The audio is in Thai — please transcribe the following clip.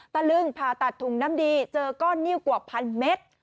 ตะลึงผ่าตัดถุงน้ำดีเจอก้อนนิ้วกว่าพันเมตร